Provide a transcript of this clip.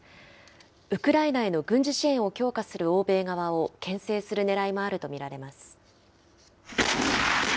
ウクライナへの軍事支援を強化する欧米側をけん制するねらいもあると見られます。